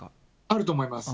あると思います。